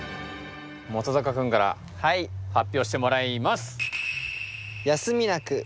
本君から発表してもらいます。